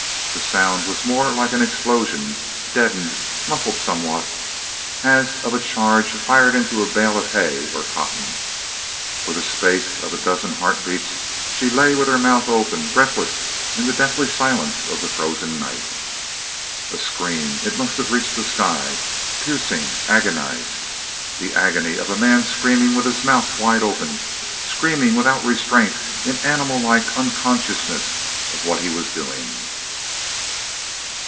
The sound was more like an explosion deadened, muffled somewhat as of a charge fired into a bale of hay or cotton. For the space of a dozen heartbeats she lay with her mouth open, breathless in the deathly silence of the frozen night. A scream! It must have reached the sky. Piercing, agonized the agony of a man screaming with his mouth wide open screaming without restraint, in animal like unconsciousness of what he was doing.